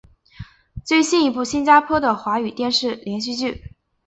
是一部新加坡的的华语电视连续剧。